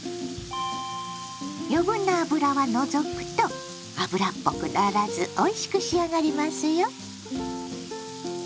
余分な脂は除くと脂っぽくならずおいしく仕上がりますよ。